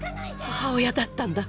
母親だったんだ。